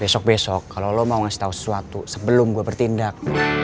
besok besok kalau lo mau ngasih tau sesuatu sebelum gue bertindak